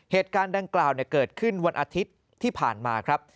เหตุการณ์ดังกล่าวเกิดขึ้นวันอาทิตย์ที่ผ่านมาครับ